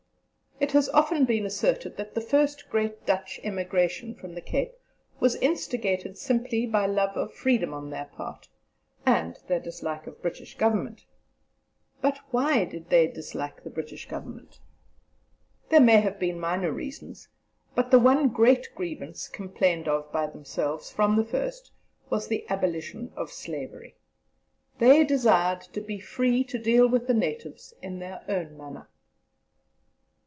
It has often been asserted that the first great Dutch emigration from the Cape was instigated simply by love of freedom on their part, and their dislike of British Government. But why did they dislike British Government? There may have been minor reasons, but the one great grievance complained of by themselves, from the first, was the abolition of slavery. They desired to be free to deal with the natives in their own manner.